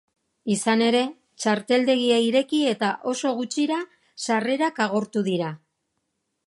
Izan ere, txarteldegia ireki eta oso gutxira, sarrerak agortu dira.